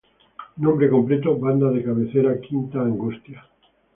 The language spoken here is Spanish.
Nombre completo: Banda de Cabecera "Quinta Angustia".